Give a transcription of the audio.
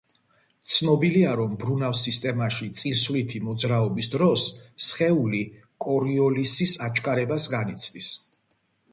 ცნობილია, რომ მბრუნავ სისტემაში წინსვლითი მოძრაობის დროს სხეული კორიოლისის აჩქარებას განიცდის.